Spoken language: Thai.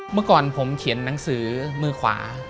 เมื่อก่อนผมเขียนหนังสือมือขวา